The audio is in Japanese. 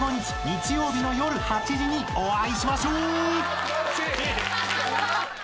日曜日の夜８時にお会いしましょう］